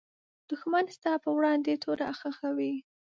دښمن ستا پر وړاندې توره خښوي